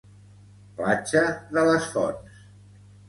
Platja de les Fonts